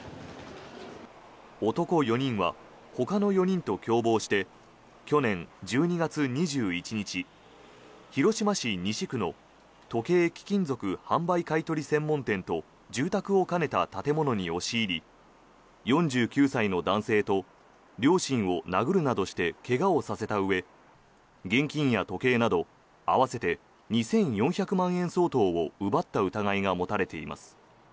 男４人は、ほかの４人と共謀して去年１２月２１日、広島市西区の時計貴金属販売買い取り専門店と住宅を兼ねた建物に押し入り４９歳の男性と両親を殴るなどして怪我をさせたうえ現金や時計など合わせて２４００万円相当を奪った疑いが持たれています。